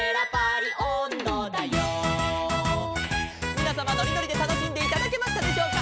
「みなさまのりのりでたのしんでいただけましたでしょうか」